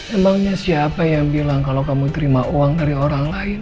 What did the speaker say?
emangnya siapa yang bilang kalau kamu terima uang dari orang lain